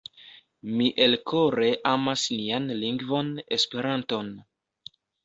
Mi elkore amas nian lingvon Esperanton.